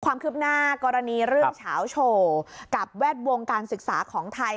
ความคืบหน้ากรณีเรื่องเฉาโชว์กับแวดวงการศึกษาของไทย